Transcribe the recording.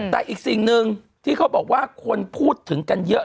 แต่อีกสิ่งหนึ่งที่เขาบอกว่าคนพูดถึงกันเยอะ